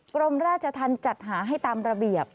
กรมราชธรรมจัดหาให้ตามระเบียบ